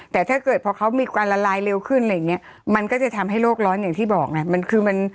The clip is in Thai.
แต่ถ้าเกิดพอเขามีการละลายเร็วขึ้นมันก็จะทำให้โรคร้อนอย่างที่บอก